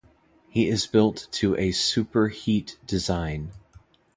He is built to a "super-heat" design.